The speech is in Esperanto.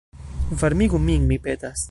Varmigu min, mi petas.